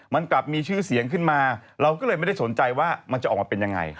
มันกลับมีชื่อเสียงขึ้นมาเราก็เลยไม่ได้สนใจว่ามันจะออกมาเป็นยังไง